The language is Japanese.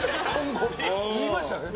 言いましたね。